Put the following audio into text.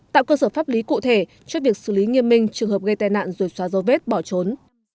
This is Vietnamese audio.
tạo cơ sở pháp lý cụ thể cho việc xử lý nghiêm minh trường hợp gây tai nạn rồi xóa dấu vết bỏ trốn